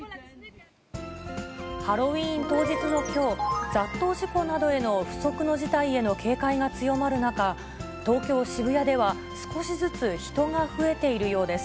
ハロウィーン当日のきょう、雑踏事故などへの不測の事態への警戒が強まる中、東京・渋谷では、少しずつ、人が増えているようです。